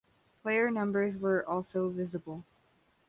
Player numbers were also visible.